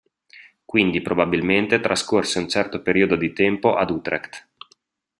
Quindi probabilmente trascorse un certo periodo di tempo ad Utrecht.